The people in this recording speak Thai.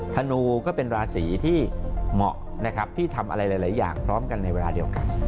ธนูก็เป็นราศีที่เหมาะนะครับที่ทำอะไรหลายอย่างพร้อมกันในเวลาเดียวกัน